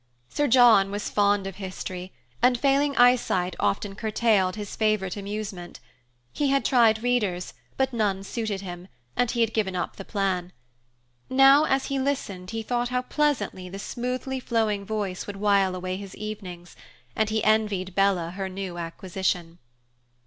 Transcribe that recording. Sir John was fond of history, and failing eyesight often curtailed his favorite amusement. He had tried readers, but none suited him, and he had given up the plan. Now as he listened, he thought how pleasantly the smoothly flowing voice would wile away his evenings, and he envied Bella her new acquisition.